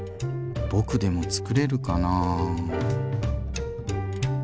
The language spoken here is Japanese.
僕でもつくれるかなぁ？